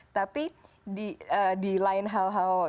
tapi di lain hal hal